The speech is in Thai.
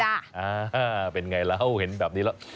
อ่าเป็นไงแล้วเห็นแบบนี้แล้ว